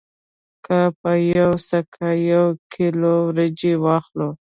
که په یوه سکه یو کیلو وریجې واخلو